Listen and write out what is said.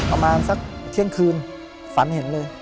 ประมาณสักเที่ยงคืนฝันเห็นเลย